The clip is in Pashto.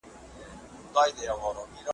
توبه ګار چي له توبې یم چي پرهېز یم له ثوابه `